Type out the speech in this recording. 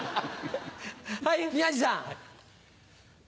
はい宮治さん。